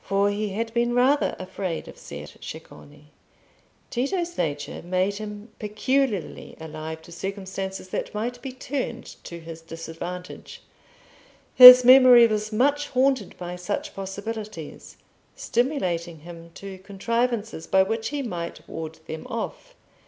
For he had been rather afraid of Ser Ceccone. Tito's nature made him peculiarly alive to circumstances that might be turned to his disadvantage; his memory was much haunted by such possibilities, stimulating him to contrivances by which he might ward them off.